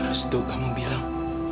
restu kamu bilang